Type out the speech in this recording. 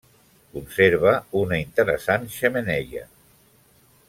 Conserva una interessant xemeneia.